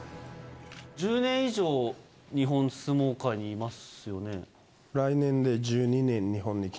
１０年以上日本相撲界にいますよね。